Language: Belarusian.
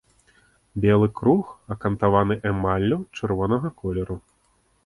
Белы круг акантаваны эмаллю чырвонага колеру.